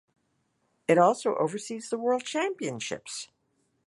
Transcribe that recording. It also oversees the World Championships.